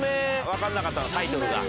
わかんなかったのタイトルが。